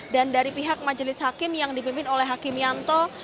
dan dari pihak majelis hakim yang dipimpin oleh hakim yanto